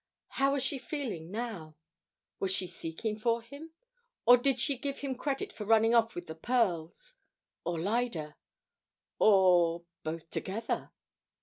How was she feeling now? Was she seeking for him? Or did she give him credit for running off with the pearls or Lyda? or both together?